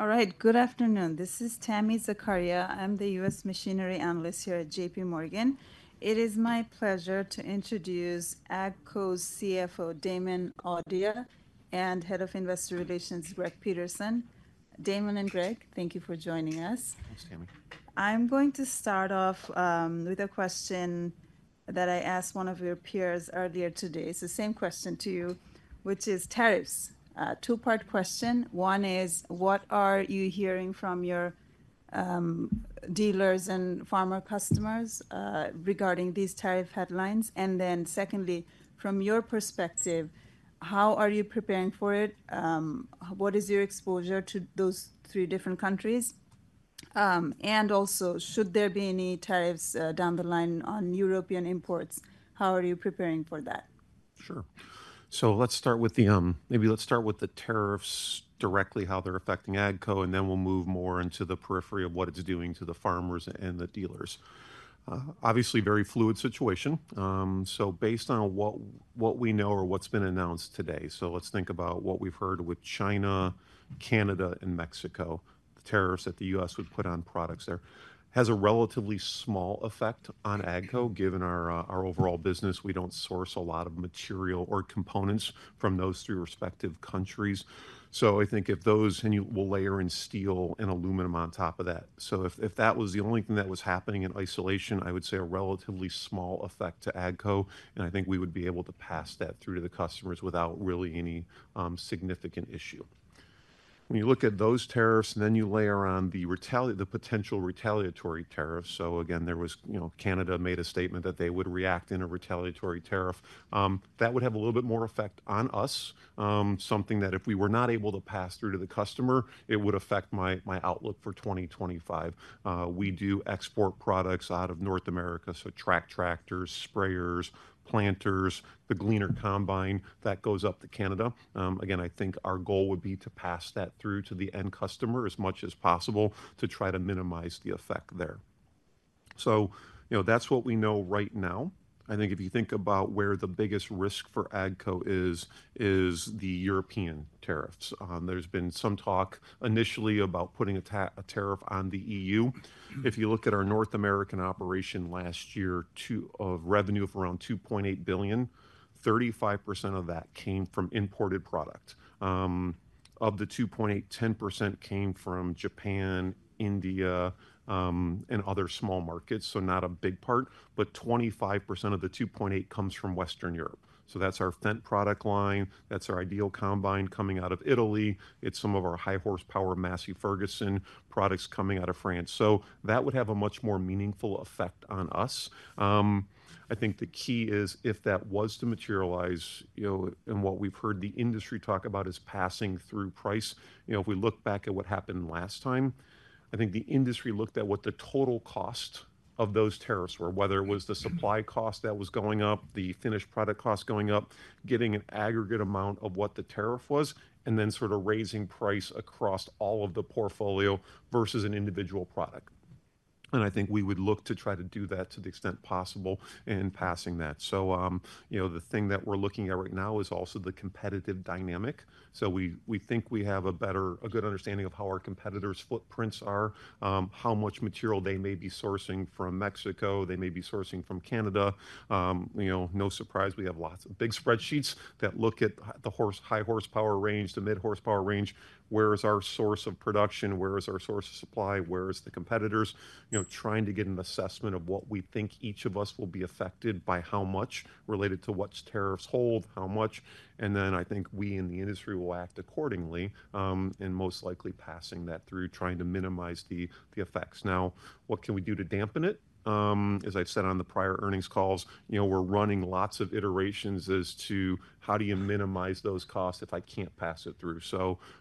All right, good afternoon. This is Tami Zakaria. I'm the U.S. Machinery Analyst here at J.P. Morgan. It is my pleasure to introduce AGCO's CFO, Damon Audia, and Head of Investor Relations, Greg Peterson. Damon and Greg, thank you for joining us. Thanks, Tami. I'm going to start off with a question that I asked one of your peers earlier today. It's the same question to you, which is tariffs. Two-part question. One is, what are you hearing from your dealers and farmer customers regarding these tariff headlines? Then secondly, from your perspective, how are you preparing for it? What is your exposure to those three different countries? Also, should there be any tariffs down the line on European imports, how are you preparing for that? Sure. Let's start with the tariffs directly, how they're affecting AGCO, and then we'll move more into the periphery of what it's doing to the farmers and the dealers. Obviously, very fluid situation. Based on what we know or what's been announced today—let's think about what we've heard with China, Canada, and Mexico—the tariffs that the U.S. would put on products there has a relatively small effect on AGCO, given our overall business. We don't source a lot of material or components from those three respective countries. I think if those—and we'll layer in steel and aluminum on top of that. If that was the only thing that was happening in isolation, I would say a relatively small effect to AGCO, and I think we would be able to pass that through to the customers without really any significant issue. When you look at those tariffs, then you layer on the potential retaliatory tariffs. Again, there was—Canada made a statement that they would react in a retaliatory tariff. That would have a little bit more effect on us, something that if we were not able to pass through to the customer, it would affect my outlook for 2025. We do export products out of North America, so tractors, sprayers, planters, the Gleaner combine that goes up to Canada. Again, I think our goal would be to pass that through to the end customer as much as possible to try to minimize the effect there. That is what we know right now. I think if you think about where the biggest risk for AGCO is, it is the European tariffs. There has been some talk initially about putting a tariff on the E.U. If you look at our North American operation last year, of revenue of around $2.8 billion, 35% of that came from imported product. Of the $2.8, 10% came from Japan, India, and other small markets, so not a big part, but 25% of the $2.8 comes from Western Europe. That is our Fendt product line. That is our IDEAL combine coming out of Italy. It is some of our high-horsepower Massey Ferguson products coming out of France. That would have a much more meaningful effect on us. I think the key is if that was to materialize, and what we have heard the industry talk about is passing through price. If we look back at what happened last time, I think the industry looked at what the total cost of those tariffs were, whether it was the supply cost that was going up, the finished product cost going up, getting an aggregate amount of what the tariff was, and then sort of raising price across all of the portfolio versus an individual product. I think we would look to try to do that to the extent possible and passing that. The thing that we're looking at right now is also the competitive dynamic. We think we have a better, a good understanding of how our competitors' footprints are, how much material they may be sourcing from Mexico, they may be sourcing from Canada. No surprise, we have lots of big spreadsheets that look at the high-horsepower range, the mid-horsepower range. Where is our source of production? Where is our source of supply? Where are the competitors? Trying to get an assessment of what we think each of us will be affected by, how much related to what tariffs hold, how much. I think we in the industry will act accordingly and most likely passing that through, trying to minimize the effects. Now, what can we do to dampen it? As I've said on the prior earnings calls, we're running lots of iterations as to how do you minimize those costs if I can't pass it through.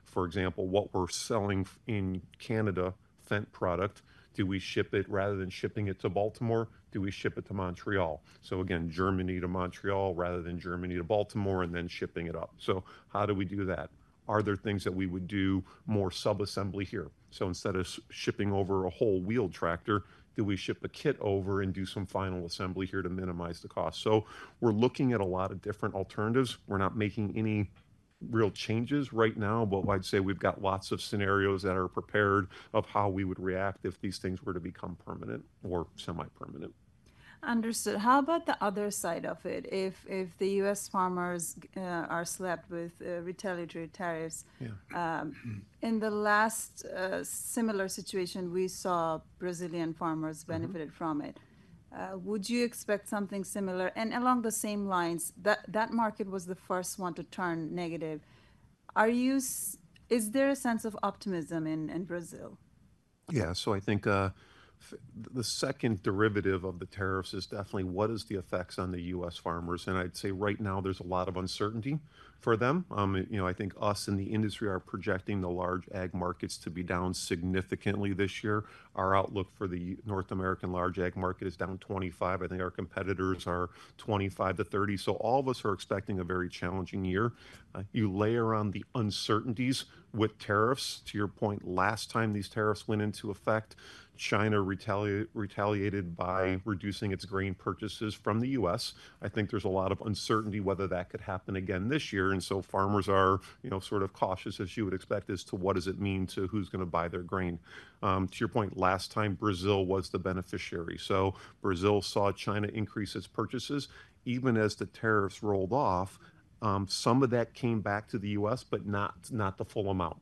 For example, what we're selling in Canada, Fendt product, do we ship it rather than shipping it to Baltimore? Do we ship it to Montreal? Germany to Montreal rather than Germany to Baltimore and then shipping it up. How do we do that? Are there things that we would do more sub-assembly here? Instead of shipping over a whole wheeled tractor, do we ship a kit over and do some final assembly here to minimize the cost? We are looking at a lot of different alternatives. We are not making any real changes right now, but I would say we have lots of scenarios that are prepared of how we would react if these things were to become permanent or semi-permanent. Understood. How about the other side of it? If the U.S. farmers are slapped with retaliatory tariffs, in the last similar situation, we saw Brazilian farmers benefited from it. Would you expect something similar? Along the same lines, that market was the first one to turn negative. Is there a sense of optimism in Brazil? Yeah. I think the second derivative of the tariffs is definitely what is the effects on the U.S. farmers? I'd say right now there's a lot of uncertainty for them. I think us in the industry are projecting the large ag markets to be down significantly this year. Our outlook for the North American large ag market is down 25%. I think our competitors are 25%-30%. All of us are expecting a very challenging year. You layer on the uncertainties with tariffs. To your point, last time these tariffs went into effect, China retaliated by reducing its grain purchases from the U.S. I think there's a lot of uncertainty whether that could happen again this year. Farmers are sort of cautious, as you would expect, as to what does it mean to who's going to buy their grain. To your point, last time, Brazil was the beneficiary. Brazil saw China increase its purchases. Even as the tariffs rolled off, some of that came back to the U.S., but not the full amount.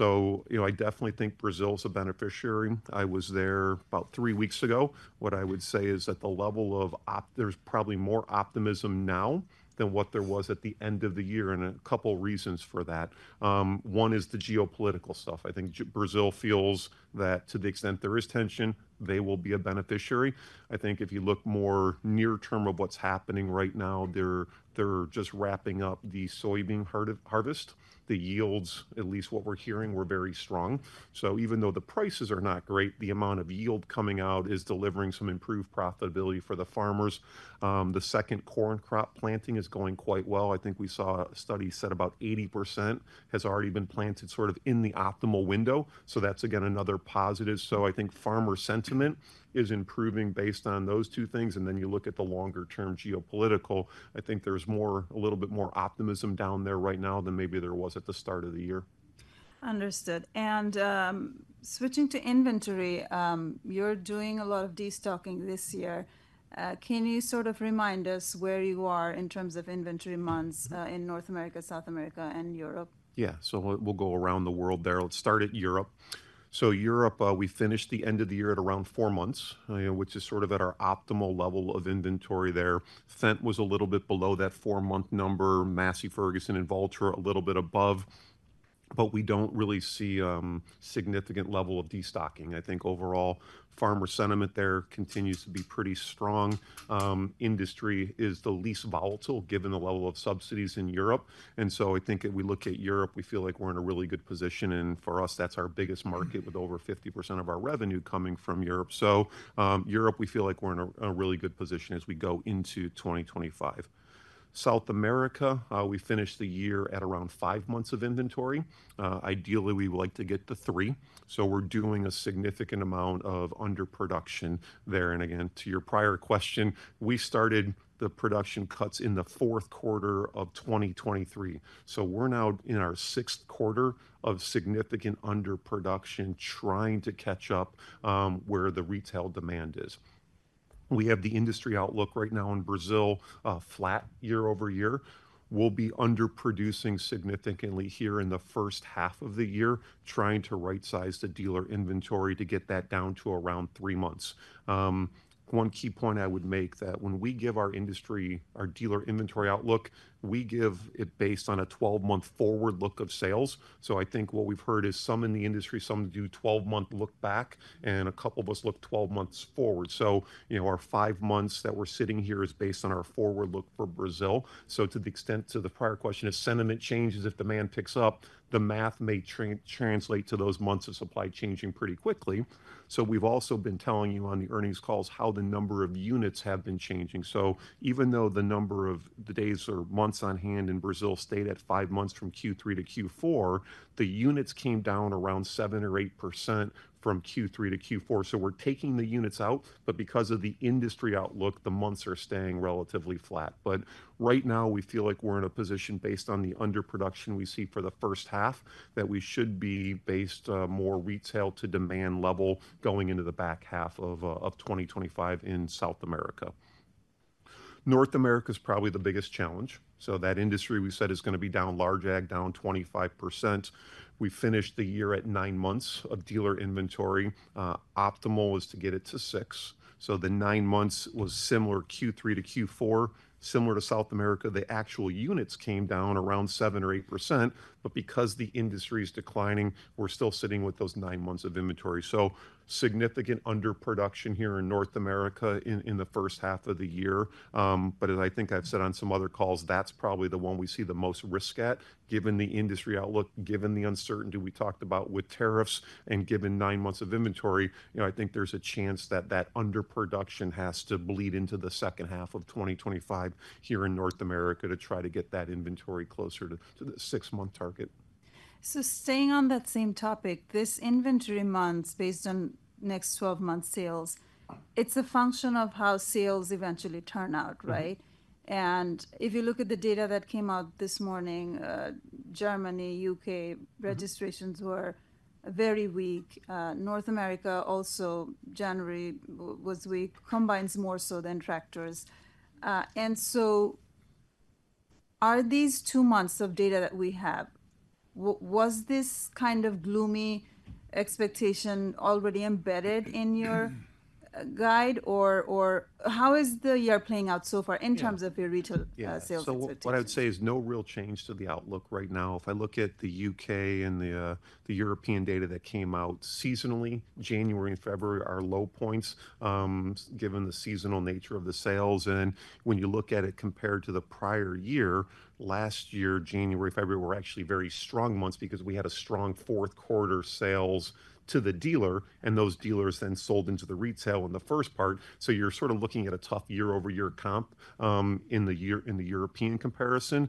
I definitely think Brazil is a beneficiary. I was there about three weeks ago. What I would say is at the level of there's probably more optimism now than what there was at the end of the year, and a couple of reasons for that. One is the geopolitical stuff. I think Brazil feels that to the extent there is tension, they will be a beneficiary. I think if you look more near-term at what's happening right now, they're just wrapping up the soybean harvest. The yields, at least what we're hearing, were very strong. Even though the prices are not great, the amount of yield coming out is delivering some improved profitability for the farmers. The second corn crop planting is going quite well. I think we saw a study said about 80% has already been planted sort of in the optimal window. That is, again, another positive. I think farmer sentiment is improving based on those two things. You look at the longer-term geopolitical, I think there is a little bit more optimism down there right now than maybe there was at the start of the year. Understood. Switching to inventory, you're doing a lot of destocking this year. Can you sort of remind us where you are in terms of inventory months in North America, South America, and Europe? Yeah. We'll go around the world there. Let's start at Europe. Europe, we finished the end of the year at around four months, which is sort of at our optimal level of inventory there. Fendt was a little bit below that four-month number, Massey Ferguson and Valtra a little bit above, but we don't really see a significant level of destocking. I think overall farmer sentiment there continues to be pretty strong. Industry is the least volatile given the level of subsidies in Europe. I think if we look at Europe, we feel like we're in a really good position. For us, that's our biggest market with over 50% of our revenue coming from Europe. Europe, we feel like we're in a really good position as we go into 2025. South America, we finished the year at around five months of inventory. Ideally, we would like to get to three. We are doing a significant amount of underproduction there. Again, to your prior question, we started the production cuts in the fourth quarter of 2023. We are now in our sixth quarter of significant underproduction trying to catch up where the retail demand is. We have the industry outlook right now in Brazil, flat year-over-year. We will be underproducing significantly here in the first half of the year, trying to right-size the dealer inventory to get that down to around three months. One key point I would make is that when we give our industry, our dealer inventory outlook, we give it based on a 12-month forward look of sales. I think what we have heard is some in the industry, some do 12-month look back, and a couple of us look 12 months forward. Our five months that we're sitting here is based on our forward look for Brazil. To the extent to the prior question, if sentiment changes, if demand picks up, the math may translate to those months of supply changing pretty quickly. We've also been telling you on the earnings calls how the number of units have been changing. Even though the number of days or months on hand in Brazil stayed at five months from Q3 to Q4, the units came down around 7% or 8% from Q3 to Q4. We're taking the units out, but because of the industry outlook, the months are staying relatively flat. Right now, we feel like we're in a position based on the underproduction we see for the first half that we should be based more retail to demand level going into the back half of 2025 in South America. North America is probably the biggest challenge. That industry we said is going to be down large ag, down 25%. We finished the year at nine months of dealer inventory. Optimal was to get it to six. The nine months was similar Q3 to Q4, similar to South America. The actual units came down around 7% or 8%. Because the industry is declining, we're still sitting with those nine months of inventory. Significant underproduction here in North America in the first half of the year. As I think I've said on some other calls, that's probably the one we see the most risk at, given the industry outlook, given the uncertainty we talked about with tariffs, and given nine months of inventory. I think there's a chance that that underproduction has to bleed into the second half of 2025 here in North America to try to get that inventory closer to the six-month target. Staying on that same topic, this inventory months based on next 12-month sales, it's a function of how sales eventually turn out, right? If you look at the data that came out this morning, Germany, U.K., registrations were very weak. North America also, January was weak, combines more so than tractors. Are these two months of data that we have, was this kind of gloomy expectation already embedded in your guide, or how is the year playing out so far in terms of your retail sales? What I would say is no real change to the outlook right now. If I look at the U.K. and the European data that came out seasonally, January and February are low points given the seasonal nature of the sales. When you look at it compared to the prior year, last year, January, February were actually very strong months because we had a strong fourth quarter sales to the dealer, and those dealers then sold into the retail in the first part. You are sort of looking at a tough year-over-year comp in the European comparison.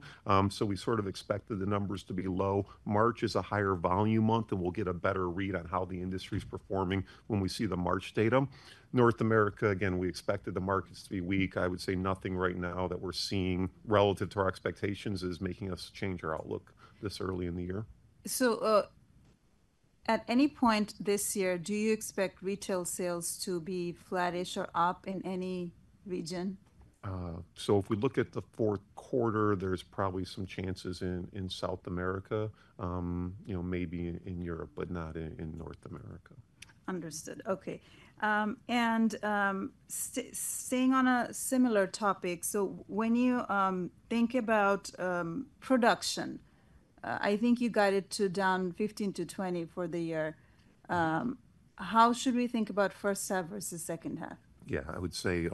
We sort of expected the numbers to be low. March is a higher volume month, and we will get a better read on how the industry is performing when we see the March data. North America, again, we expected the markets to be weak. I would say nothing right now that we're seeing relative to our expectations is making us change our outlook this early in the year. At any point this year, do you expect retail sales to be flattish or up in any region? If we look at the fourth quarter, there's probably some chances in South America, maybe in Europe, but not in North America. Understood. Okay. Staying on a similar topic, when you think about production, I think you got it to down 15%-20% for the year. How should we think about first half versus second half? Yeah, I would say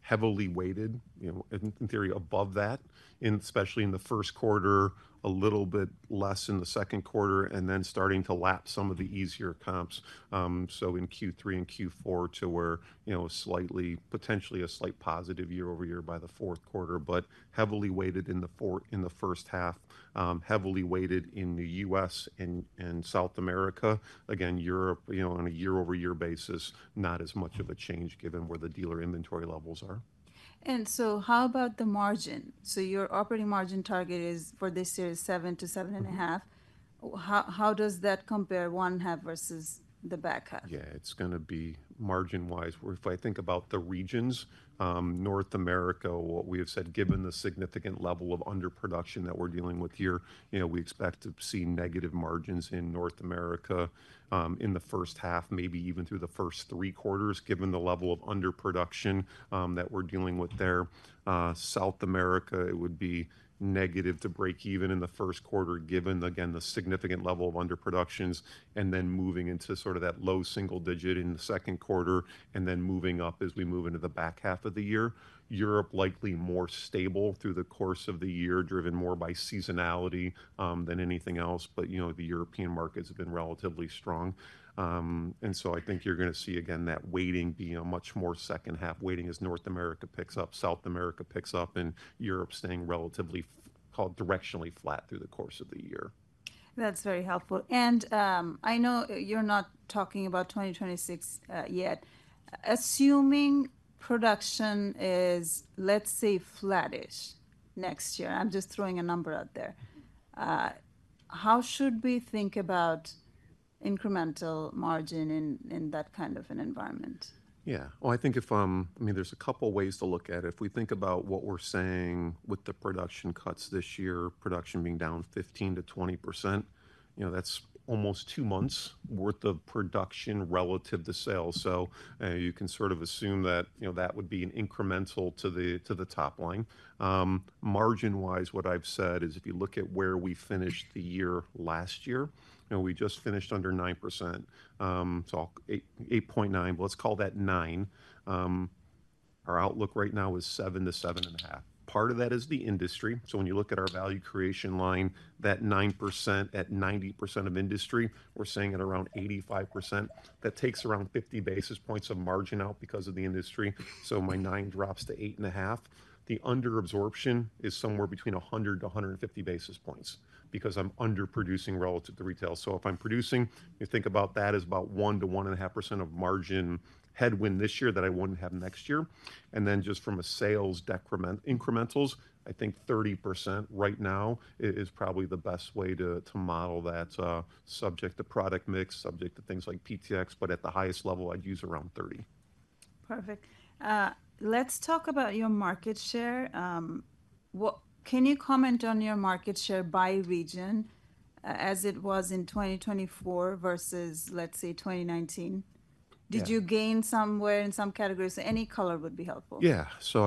heavily weighted, in theory, above that, especially in the first quarter, a little bit less in the second quarter, and then starting to lap some of the easier comps. In Q3 and Q4 to where slightly, potentially a slight positive year-over-year by the fourth quarter, but heavily weighted in the first half, heavily weighted in the U.S. and South America. Again, Europe on a year-over-year basis, not as much of a change given where the dealer inventory levels are. How about the margin? Your operating margin target for this year is 7% to 7.5%. How does that compare one half versus the back half? Yeah, it's going to be margin-wise. If I think about the regions, North America, what we have said, given the significant level of underproduction that we're dealing with here, we expect to see negative margins in North America in the first half, maybe even through the first three quarters, given the level of underproduction that we're dealing with there. South America, it would be negative to break even in the first quarter, given, again, the significant level of underproduction, and then moving into sort of that low single digit in the second quarter, and then moving up as we move into the back half of the year. Europe, likely more stable through the course of the year, driven more by seasonality than anything else, but the European markets have been relatively strong. I think you're going to see, again, that weighting be a much more second half weighting as North America picks up, South America picks up, and Europe staying relatively directionally flat through the course of the year. That's very helpful. I know you're not talking about 2026 yet. Assuming production is, let's say, flattish next year, I'm just throwing a number out there. How should we think about incremental margin in that kind of an environment? Yeah. I think if I mean, there's a couple of ways to look at it. If we think about what we're saying with the production cuts this year, production being down 15%-20%, that's almost two months' worth of production relative to sales. You can sort of assume that that would be an incremental to the top line. Margin-wise, what I've said is if you look at where we finished the year last year, we just finished under 9%. So 8.9%, let's call that 9%. Our outlook right now is 7%-7.5%. Part of that is the industry. When you look at our value creation line, that 9% at 90% of industry, we're saying at around 85%. That takes around 50 basis points of margin out because of the industry. My 9% drops to 8.5%. The underabsorption is somewhere between 100-150 basis points because I'm underproducing relative to retail. If I'm producing, you think about that as about 1%-1.5% of margin headwind this year that I wouldn't have next year. Just from a sales incrementals, I think 30% right now is probably the best way to model that, subject to product mix, subject to things like PTx, but at the highest level, I'd use around 30%. Perfect. Let's talk about your market share. Can you comment on your market share by region as it was in 2024 versus, let's say, 2019? Did you gain somewhere in some categories? Any color would be helpful. Yeah. So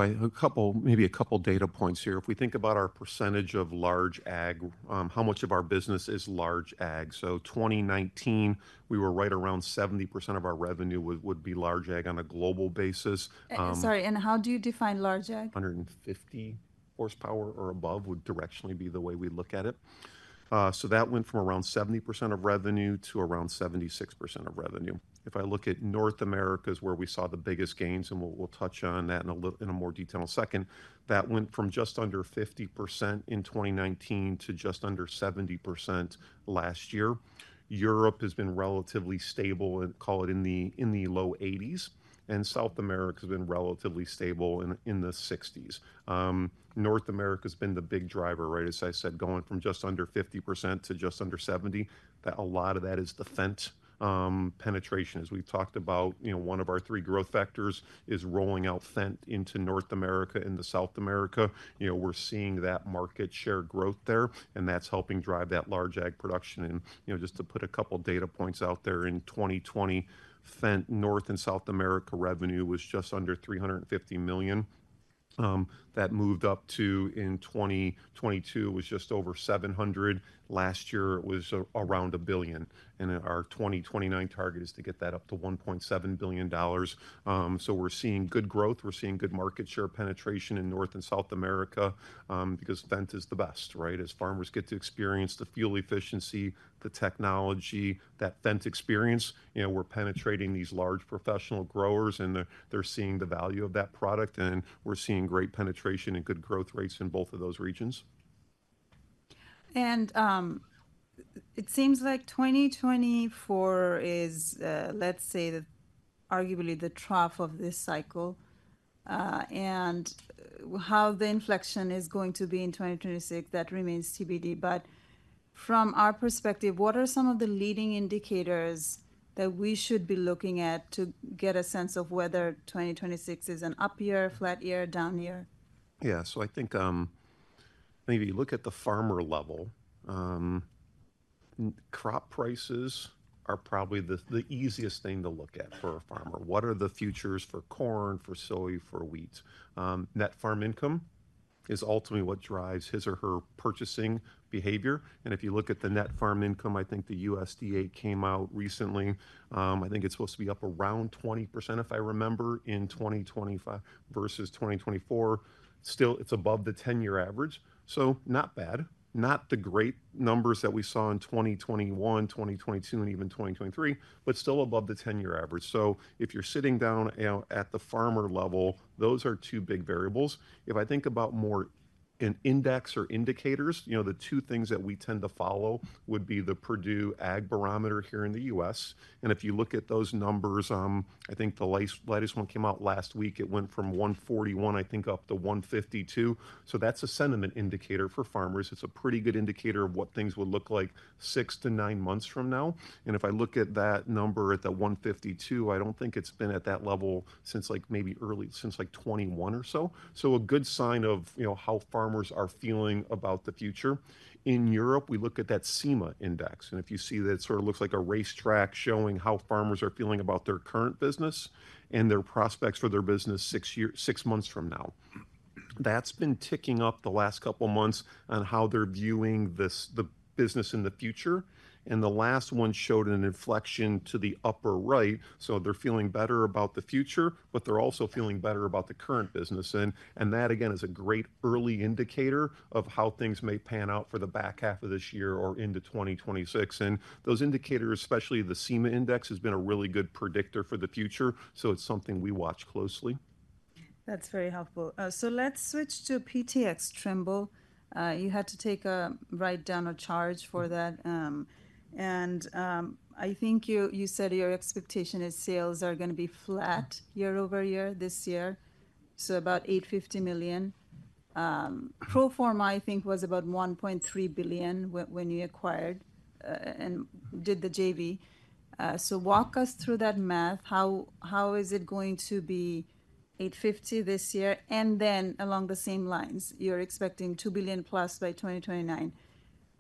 maybe a couple of data points here. If we think about our percentage of large ag, how much of our business is large ag? In 2019, we were right around 70% of our revenue would be large ag on a global basis. Sorry, and how do you define large ag? 150 horsepower or above would directionally be the way we look at it. That went from around 70% of revenue to around 76% of revenue. If I look at North America, that is where we saw the biggest gains, and we'll touch on that in more detail in a second. That went from just under 50% in 2019 to just under 70% last year. Europe has been relatively stable, call it in the low 80%, and South America has been relatively stable in the 60%. North America has been the big driver, right? As I said, going from just under 50% to just under 70%, a lot of that is the Fendt penetration. As we've talked about, one of our three growth factors is rolling out Fendt into North America and South America. We're seeing that market share growth there, and that's helping drive that large ag production. Just to put a couple of data points out there, in 2020, Fendt North and South America revenue was just under $350 million. That moved up to, in 2022, just over $700 million. Last year, it was around $1 billion. Our 2029 target is to get that up to $1.7 billion. We are seeing good growth. We are seeing good market share penetration in North and South America because Fendt is the best, right? As farmers get to experience the fuel efficiency, the technology, that Fendt experience, we are penetrating these large professional growers, and they are seeing the value of that product, and we are seeing great penetration and good growth rates in both of those regions. It seems like 2024 is, let's say, arguably the trough of this cycle. How the inflection is going to be in 2026, that remains to be deemed. From our perspective, what are some of the leading indicators that we should be looking at to get a sense of whether 2026 is an up year, flat year, down year? Yeah. I think maybe you look at the farmer level. Crop prices are probably the easiest thing to look at for a farmer. What are the futures for corn, for soy, for wheat? Net farm income is ultimately what drives his or her purchasing behavior. If you look at the net farm income, I think the USDA came out recently. I think it's supposed to be up around 20% in 2025 versus 2024. Still, it's above the 10-year average. Not bad. Not the great numbers that we saw in 2021, 2022, and even 2023, but still above the 10-year average. If you're sitting down at the farmer level, those are two big variables. If I think about more index or indicators, the two things that we tend to follow would be the Purdue Ag Barometer here in the U.S. If you look at those numbers, I think the latest one came out last week. It went from 141, I think, up to 152. That's a sentiment indicator for farmers. It's a pretty good indicator of what things would look like six to nine months from now. If I look at that number at the 152, I don't think it's been at that level since maybe early, since like 2021 or so. A good sign of how farmers are feeling about the future. In Europe, we look at that CEMA index. If you see that, it sort of looks like a racetrack showing how farmers are feeling about their current business and their prospects for their business six months from now. That's been ticking up the last couple of months on how they're viewing the business in the future. The last one showed an inflection to the upper right. They are feeling better about the future, but they are also feeling better about the current business. That, again, is a great early indicator of how things may pan out for the back half of this year or into 2026. Those indicators, especially the CEMA index, have been a really good predictor for the future. It is something we watch closely. That's very helpful. Let's switch to PTx Trimble. You had to take a write-down charge for that. I think you said your expectation is sales are going to be flat year-over-year this year, so about $850 million. Proforma, I think, was about $1.3 billion when you acquired and did the JV. Walk us through that math. How is it going to be $850 million this year? Along the same lines, you're expecting $2 billion plus by 2029.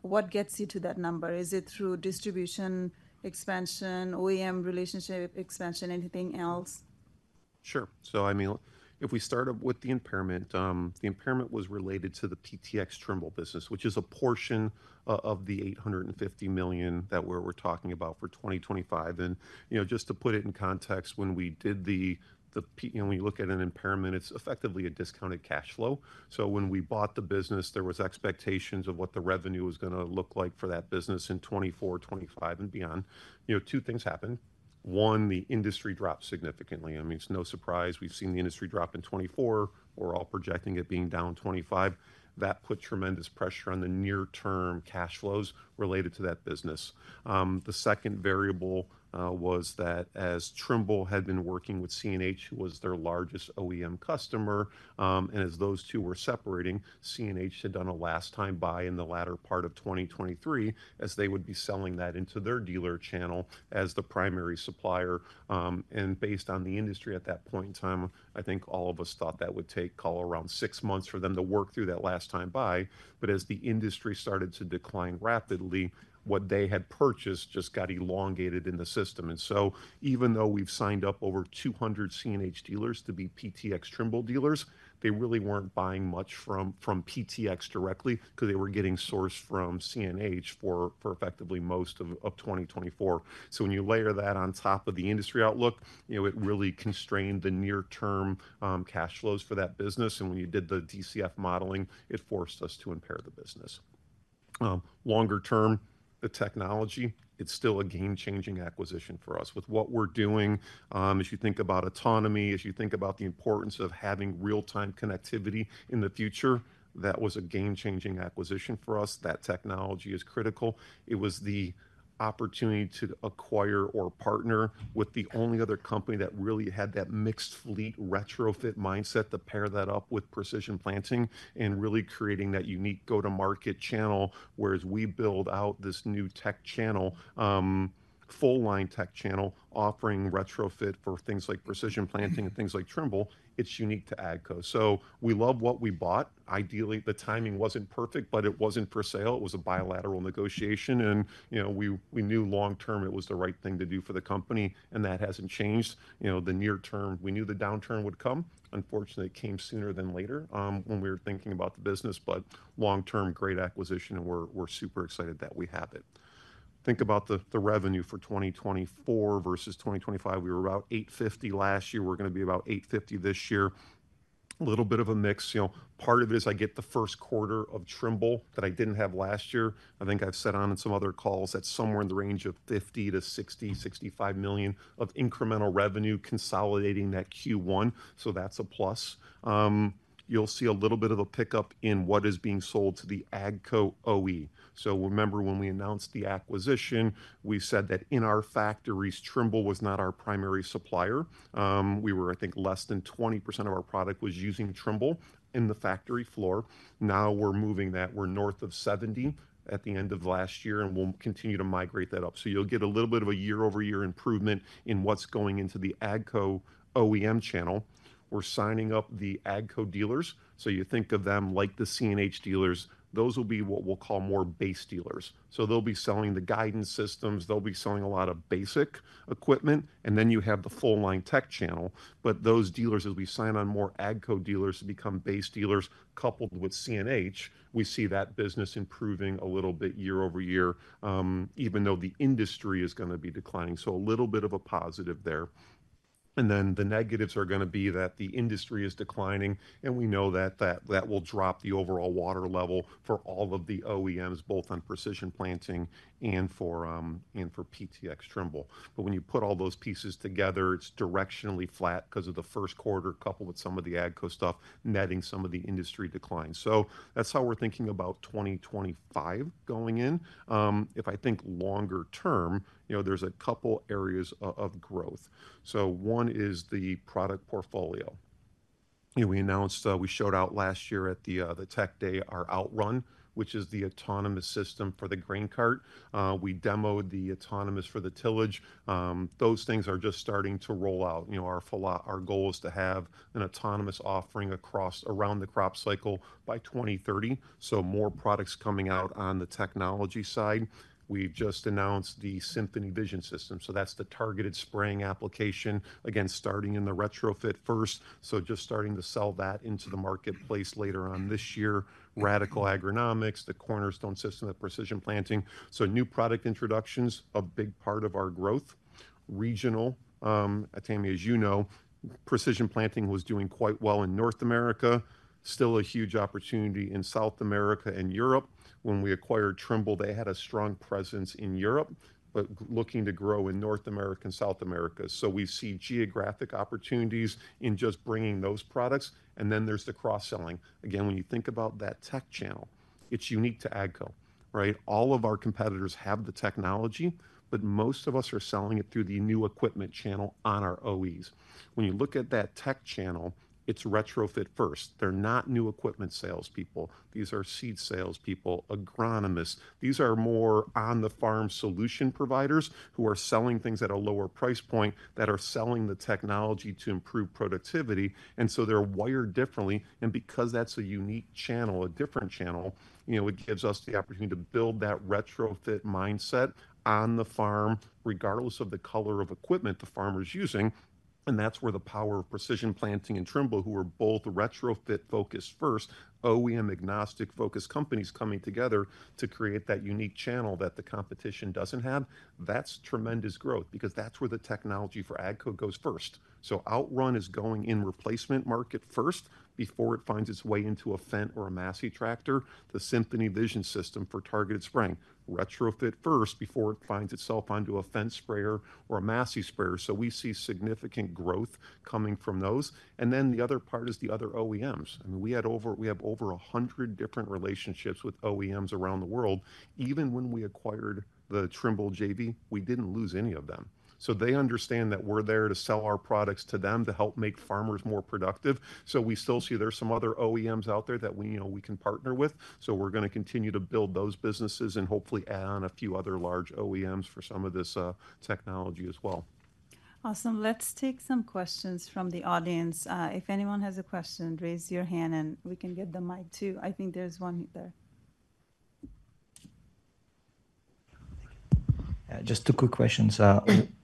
What gets you to that number? Is it through distribution expansion, OEM relationship expansion, anything else? Sure. I mean, if we start up with the impairment, the impairment was related to the PTx Trimble business, which is a portion of the $850 million that we're talking about for 2025. Just to put it in context, when we did the, when you look at an impairment, it's effectively a discounted cash flow. When we bought the business, there were expectations of what the revenue was going to look like for that business in 2024, 2025, and beyond. Two things happened. One, the industry dropped significantly. I mean, it's no surprise. We've seen the industry drop in 2024. We're all projecting it being down 2025. That put tremendous pressure on the near-term cash flows related to that business. The second variable was that as Trimble had been working with CNH, who was their largest OEM customer, and as those two were separating, CNH had done a last-time buy in the latter part of 2023, as they would be selling that into their dealer channel as the primary supplier. Based on the industry at that point in time, I think all of us thought that would take, call it around six months for them to work through that last-time buy. As the industry started to decline rapidly, what they had purchased just got elongated in the system. Even though we've signed up over 200 CNH dealers to be PTx Trimble dealers, they really were not buying much from PTx directly because they were getting sourced from CNH for effectively most of 2024. When you layer that on top of the industry outlook, it really constrained the near-term cash flows for that business. When you did the DCF modeling, it forced us to impair the business. Longer term, the technology, it's still a game-changing acquisition for us. With what we're doing, as you think about autonomy, as you think about the importance of having real-time connectivity in the future, that was a game-changing acquisition for us. That technology is critical. It was the opportunity to acquire or partner with the only other company that really had that mixed fleet retrofit mindset to pair that up with Precision Planting and really creating that unique go-to-market channel, whereas we build out this new tech channel, full-line tech channel, offering retrofit for things like Precision Planting and things like Trimble. It's unique to AGCO. We love what we bought. Ideally, the timing was not perfect, but it was not for sale. It was a bilateral negotiation. We knew long-term it was the right thing to do for the company. That has not changed. The near term, we knew the downturn would come. Unfortunately, it came sooner than later when we were thinking about the business. Long-term, great acquisition, and we are super excited that we have it. Think about the revenue for 2024 versus 2025. We were about $850 million last year. We are going to be about $850 million this year. A little bit of a mix. Part of it is I get the first quarter of Trimble that I did not have last year. I think I have said on some other calls that somewhere in the range of $50 million-$60 million, $65 million of incremental revenue consolidating that Q1. That is a plus. You'll see a little bit of a pickup in what is being sold to the AGCO OE. Remember, when we announced the acquisition, we said that in our factories, Trimble was not our primary supplier. We were, I think, less than 20% of our product was using Trimble in the factory floor. Now we're moving that. We're north of 70 at the end of last year, and we'll continue to migrate that up. You'll get a little bit of a year-over-year improvement in what's going into the AGCO OEM channel. We're signing up the AGCO dealers. You think of them like the CNH dealers. Those will be what we'll call more base dealers. They'll be selling the guidance systems. They'll be selling a lot of basic equipment. Then you have the full-line tech channel. Those dealers, as we sign on more AGCO dealers to become base dealers coupled with CNH, we see that business improving a little bit year-over-year, even though the industry is going to be declining. A little bit of a positive there. The negatives are going to be that the industry is declining, and we know that that will drop the overall water level for all of the OEMs, both on Precision Planting and for PTx Trimble. When you put all those pieces together, it's directionally flat because of the first quarter coupled with some of the AGCO stuff, netting some of the industry decline. That's how we're thinking about 2025 going in. If I think longer term, there's a couple of areas of growth. One is the product portfolio. We announced we showed out last year at the Tech Day our OutRun, which is the autonomous system for the grain cart. We demoed the autonomous for the tillage. Those things are just starting to roll out. Our goal is to have an autonomous offering across around the crop cycle by 2030. More products are coming out on the technology side. We've just announced the Symphony Vision system. That's the targeted spraying application, again, starting in the retrofit first. Just starting to sell that into the marketplace later on this year. Radicle Agronomics, the Cornerstone system of Precision Planting. New product introductions, a big part of our growth. Regional, Tami, as you know, Precision Planting was doing quite well in North America. Still a huge opportunity in South America and Europe. When we acquired Trimble, they had a strong presence in Europe, but looking to grow in North America and South America. We see geographic opportunities in just bringing those products. There is the cross-selling. Again, when you think about that tech channel, it's unique to AGCO, right? All of our competitors have the technology, but most of us are selling it through the new equipment channel on our OEs. When you look at that tech channel, it's retrofit first. They're not new equipment salespeople. These are seed salespeople, agronomists. These are more on-the-farm solution providers who are selling things at a lower price point that are selling the technology to improve productivity. They are wired differently. Because that's a unique channel, a different channel, it gives us the opportunity to build that retrofit mindset on the farm, regardless of the color of equipment the farmer's using. That's where the power of Precision Planting and Trimble, who were both retrofit-focused first, OEM-agnostic-focused companies, coming together to create that unique channel that the competition doesn't have, that's tremendous growth because that's where the technology for AGCO goes first. OutRun is going in replacement market first before it finds its way into a Fendt or a Massey tractor, the Symphony Vision system for targeted spraying, retrofit first before it finds itself onto a Fendt sprayer or a Massey sprayer. We see significant growth coming from those. The other part is the other OEMs. I mean, we have over 100 different relationships with OEMs around the world. Even when we acquired the Trimble JV, we didn't lose any of them. They understand that we're there to sell our products to them to help make farmers more productive. We still see there's some other OEMs out there that we can partner with. We're going to continue to build those businesses and hopefully add on a few other large OEMs for some of this technology as well. Awesome. Let's take some questions from the audience. If anyone has a question, raise your hand and we can get the mic to you. I think there's one there. Just two quick questions.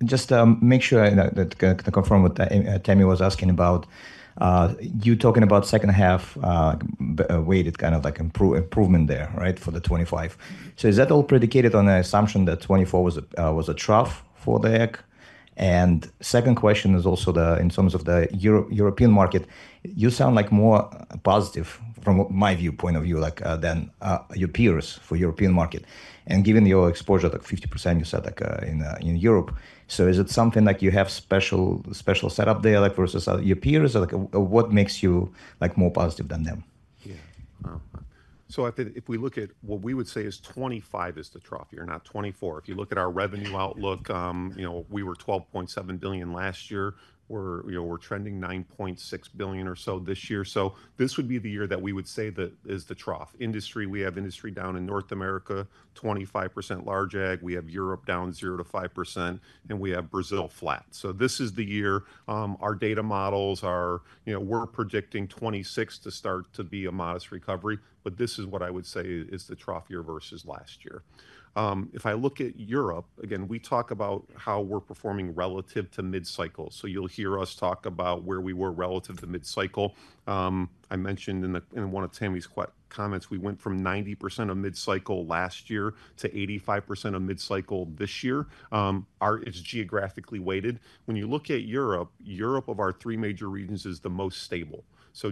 Just to make sure I can confirm what Tami was asking about, you talking about second-half weighted kind of improvement there, right, for the 2025. Is that all predicated on the assumption that 2024 was a trough for AGCO? Second question is also in terms of the European market, you sound like more positive from my viewpoint of you than your peers for the European market. Given your exposure, like 50%, you said, in Europe. Is it something like you have special setup there versus your peers? What makes you more positive than them? Yeah. I think if we look at what we would say is 2025 is the trough year and not 2024. If you look at our revenue outlook, we were $12.7 billion last year. We're trending $9.6 billion or so this year. This would be the year that we would say that is the trough. Industry, we have industry down in North America, 25% large ag. We have Europe down 0%-5%, and we have Brazil flat. This is the year. Our data models are we're predicting 2026 to start to be a modest recovery, but this is what I would say is the trough year versus last year. If I look at Europe, again, we talk about how we're performing relative to mid-cycle. You'll hear us talk about where we were relative to mid-cycle. I mentioned in one of Tami's comments, we went from 90% of mid-cycle last year to 85% of mid-cycle this year. It's geographically weighted. When you look at Europe, Europe of our three major regions is the most stable.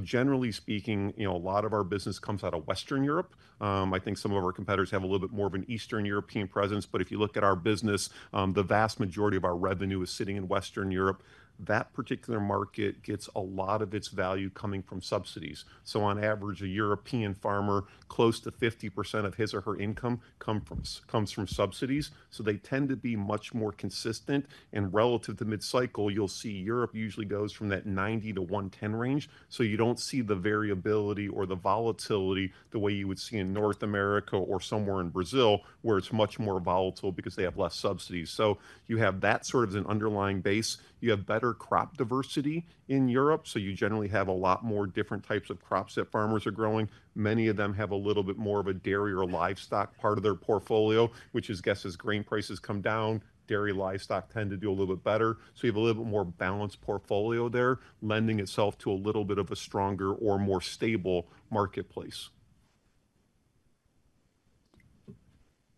Generally speaking, a lot of our business comes out of Western Europe. I think some of our competitors have a little bit more of an Eastern European presence. If you look at our business, the vast majority of our revenue is sitting in Western Europe. That particular market gets a lot of its value coming from subsidies. On average, a European farmer, close to 50% of his or her income comes from subsidies. They tend to be much more consistent. Relative to mid-cycle, you'll see Europe usually goes from that 90%-110% range. You do not see the variability or the volatility the way you would see in North America or somewhere in Brazil, where it is much more volatile because they have less subsidies. You have that sort of an underlying base. You have better crop diversity in Europe. You generally have a lot more different types of crops that farmers are growing. Many of them have a little bit more of a dairy or livestock part of their portfolio, which is, I guess, as grain prices come down, dairy livestock tend to do a little bit better. You have a little bit more balanced portfolio there, lending itself to a little bit of a stronger or more stable marketplace.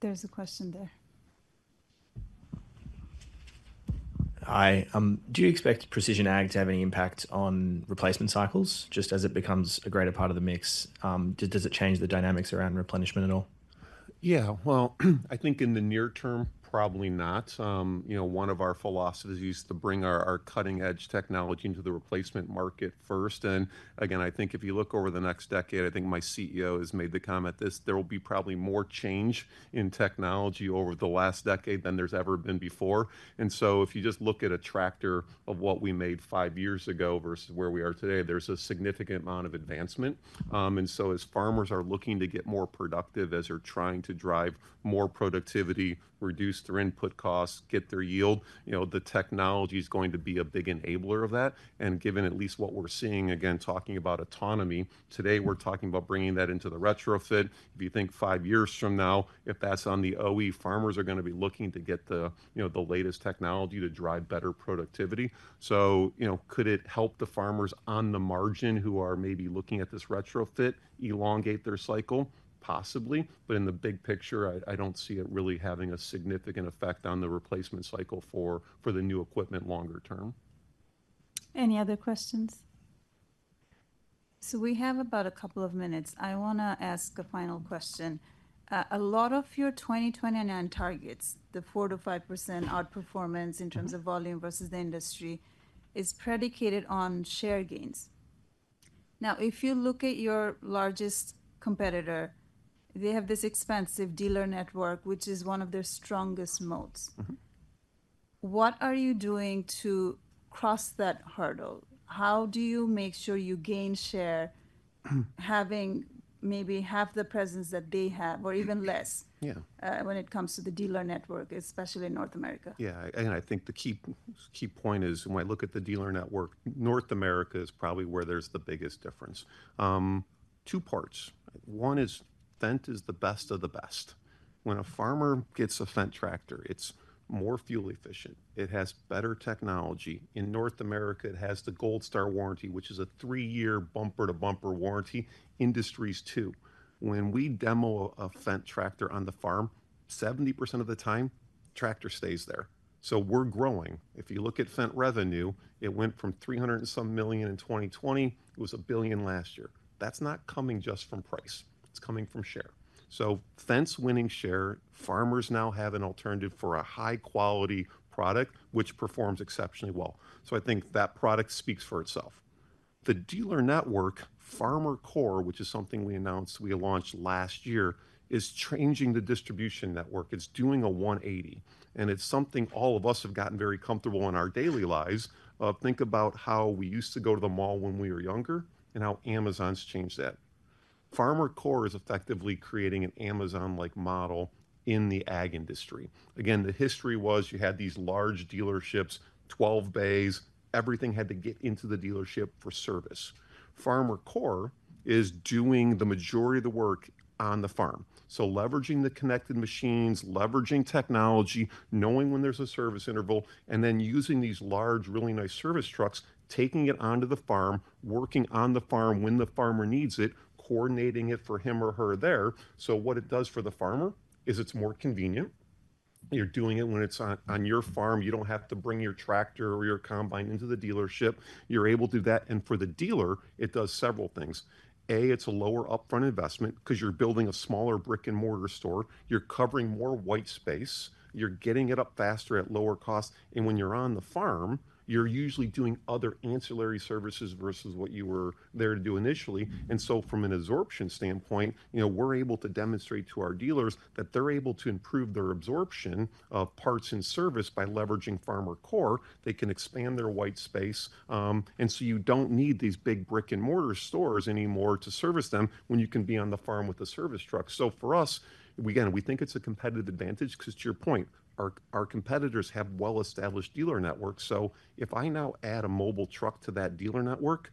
There's a question there. Hi. Do you expect precision ag to have any impact on replacement cycles just as it becomes a greater part of the mix? Does it change the dynamics around replenishment at all? Yeah. I think in the near term, probably not. One of our philosophies is to bring our cutting-edge technology into the replacement market first. I think if you look over the next decade, I think my CEO has made the comment that there will be probably more change in technology over the last decade than there's ever been before. If you just look at a tractor of what we made five years ago versus where we are today, there's a significant amount of advancement. As farmers are looking to get more productive, as they're trying to drive more productivity, reduce their input costs, get their yield, the technology is going to be a big enabler of that. Given at least what we're seeing, again, talking about autonomy, today we're talking about bringing that into the retrofit. If you think five years from now, if that's on the OE, farmers are going to be looking to get the latest technology to drive better productivity. Could it help the farmers on the margin who are maybe looking at this retrofit elongate their cycle? Possibly. In the big picture, I don't see it really having a significant effect on the replacement cycle for the new equipment longer term. Any other questions? We have about a couple of minutes. I want to ask a final question. A lot of your 2029 targets, the 4-5% outperformance in terms of volume versus the industry, is predicated on share gains. Now, if you look at your largest competitor, they have this expansive dealer network, which is one of their strongest moats. What are you doing to cross that hurdle? How do you make sure you gain share having maybe half the presence that they have or even less when it comes to the dealer network, especially in North America? Yeah. I think the key point is when I look at the dealer network, North America is probably where there's the biggest difference. Two parts. One is Fendt is the best of the best. When a farmer gets a Fendt tractor, it's more fuel efficient. It has better technology. In North America, it has the Gold Star warranty, which is a three-year bumper-to-bumper warranty. Industries too. When we demo a Fendt tractor on the farm, 70% of the time, tractor stays there. We're growing. If you look at Fendt revenue, it went from $300 million and some in 2020. It was $1 billion last year. That's not coming just from price. It's coming from share. Fendt's winning share. Farmers now have an alternative for a high-quality product, which performs exceptionally well. I think that product speaks for itself. The dealer network, FarmerCore, which is something we announced we launched last year, is changing the distribution network. It's doing a 180. It's something all of us have gotten very comfortable in our daily lives. Think about how we used to go to the mall when we were younger and how Amazon's changed that. FarmerCore is effectively creating an Amazon-like model in the ag industry. Again, the history was you had these large dealerships, 12 bays. Everything had to get into the dealership for service. FarmerCore is doing the majority of the work on the farm. Leveraging the connected machines, leveraging technology, knowing when there's a service interval, and then using these large, really nice service trucks, taking it onto the farm, working on the farm when the farmer needs it, coordinating it for him or her there. What it does for the farmer is it's more convenient. You're doing it when it's on your farm. You don't have to bring your tractor or your combine into the dealership. You're able to do that. For the dealer, it does several things. A, it's a lower upfront investment because you're building a smaller brick-and-mortar store. You're covering more white space. You're getting it up faster at lower cost. When you're on the farm, you're usually doing other ancillary services versus what you were there to do initially. From an absorption standpoint, we're able to demonstrate to our dealers that they're able to improve their absorption of parts and service by leveraging FarmerCore. They can expand their white space. You don't need these big brick-and-mortar stores anymore to service them when you can be on the farm with a service truck. For us, again, we think it's a competitive advantage because to your point, our competitors have well-established dealer networks. If I now add a mobile truck to that dealer network,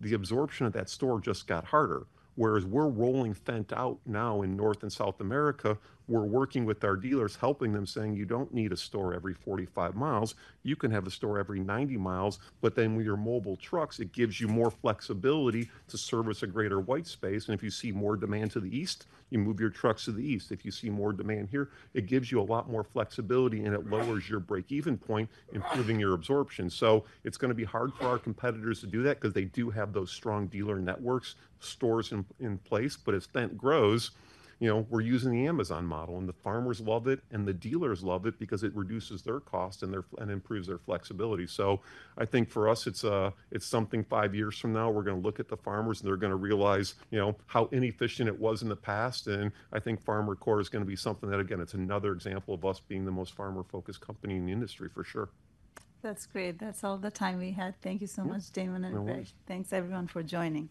the absorption of that store just got harder. Whereas we're rolling Fendt out now in North and South America, we're working with our dealers, helping them, saying, "You don't need a store every 45 miles. You can have a store every 90 miles." With your mobile trucks, it gives you more flexibility to service a greater white space. If you see more demand to the east, you move your trucks to the east. If you see more demand here, it gives you a lot more flexibility, and it lowers your break-even point, improving your absorption. It's going to be hard for our competitors to do that because they do have those strong dealer networks, stores in place. As Fendt grows, we're using the Amazon model, and the farmers love it, and the dealers love it because it reduces their cost and improves their flexibility. I think for us, it's something five years from now we're going to look at the farmers, and they're going to realize how inefficient it was in the past. I think FarmerCore is going to be something that, again, it's another example of us being the most farmer-focused company in the industry for sure. That's great. That's all the time we had. Thank you so much, Damon. No worries. Thanks, everyone, for joining.